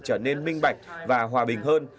trở nên minh bạch và hòa bình hơn